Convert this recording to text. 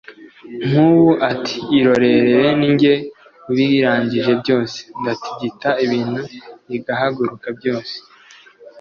Nkuba ati: "Irorerere ni jye ubirangije byose, ndatigita ibintu bigahaguruka byose